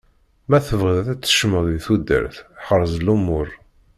Ma tebɣiḍ ad tkecmeḍ di tudert, ḥrez lumuṛ.